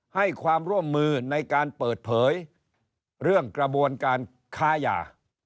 ให้ความร่วมมือในการเปิดเผยเรื่องกระบวนการค้ายา